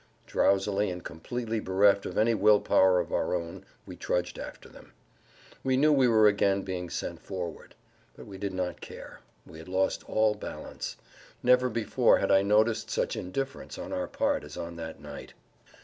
Drowsily and completely bereft of any will power of our own we trudged after them. We knew we were again being sent forward. But we did not care; we had lost all balance. Never before had I noticed such indifference on our part as on that night.